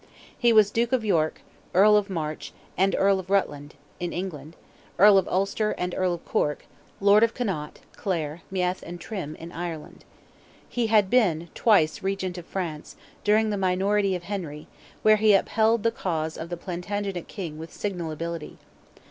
He was Duke of York, Earl of March, and Earl of Rutland, in England; Earl of Ulster and Earl of Cork, Lord of Connaught, Clare, Meath, and Trim, in Ireland. He had been twice Regent of France, during the minority of Henry, where he upheld the cause of the Plantagenet King with signal ability.